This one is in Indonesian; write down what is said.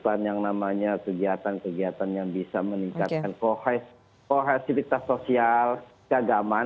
melakukan yang namanya kegiatan kegiatan yang bisa meningkatkan kohesivitas sosial keagamaan